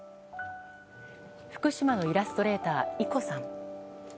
福島のイラストレーターｉｃｏ．さん。